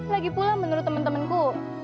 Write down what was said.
lagipula menurut temen temenku